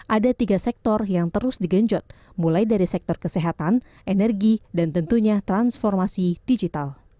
ada tiga sektor yang terus digenjot mulai dari sektor kesehatan energi dan tentunya transformasi digital